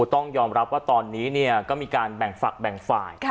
ต้องยอมรับว่าตอนนี้ก็มีการแบ่งฝักแบ่งฝ่าย